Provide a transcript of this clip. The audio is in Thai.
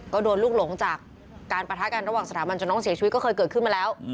ก็โดนลูกหลงจากการปะทะกันระหว่างสถาบันจนน้องเสียชีวิตก็เคยเกิดขึ้นมาแล้ว